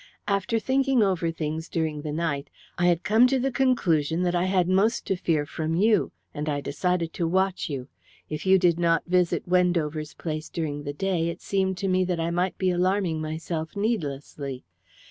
After thinking over things during the night I had come to the conclusion that I had most to fear from you, and I decided to watch you. If you did not visit Wendover's place during the day it seemed to me that I might be alarming myself needlessly.